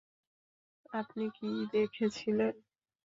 আপনি কি দেখেছিলেন?